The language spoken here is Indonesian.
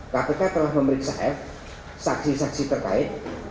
kpk telah memeriksa f saksi saksi terkait